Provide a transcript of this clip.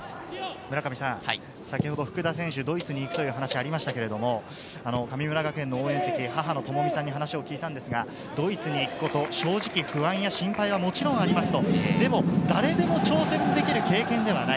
先ほど福田選手、ドイツに行くという話がありましたが、神村学園応援席、母・ともみさんに話を聞いたんですが、ドイツに行くことを、正直不安や心配はもちろんありますと。